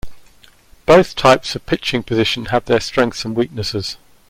Both types of pitching position have their strengths and weaknesses.